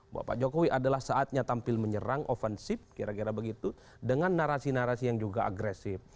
bahwa pak jokowi adalah saatnya tampil menyerang ovanship kira kira begitu dengan narasi narasi yang juga agresif